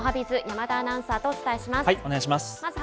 山田アナウンサーとお伝えします。